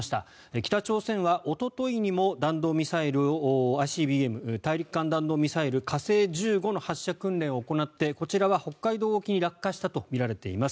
北朝鮮はおとといにも弾道ミサイルＩＣＢＭ・大陸間弾道ミサイル火星１５の発射訓練を行ってこちらは北海道沖に落下したとみられています。